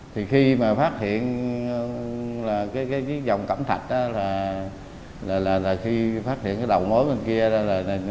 thì khi mà phát hiện cái vòng cầm thạch đó là khi phát hiện cái đầu mối bên kia đó